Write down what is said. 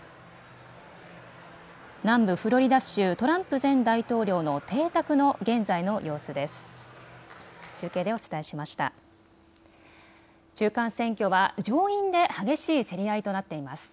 南部フロリダ州、トランプ前大統領の邸宅の現在の様子です。